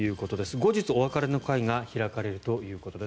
後日、お別れの会が開かれるということです。